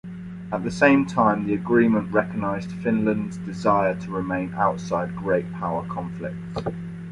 At the same time, the agreement recognized Finland's desire to remain outside great-power conflicts.